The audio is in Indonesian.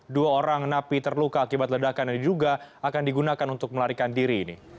dua orang napi terluka akibat ledakan ini juga akan digunakan untuk melarikan diri